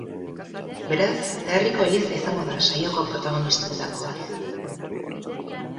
Beraz, herriko eliza izango da saioko protagonistetako bat.